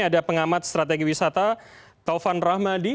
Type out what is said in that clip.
ada pengamat strategi wisata taufan rahmadi